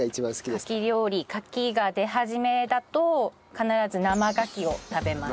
カキ料理カキが出始めだと必ず生ガキを食べます。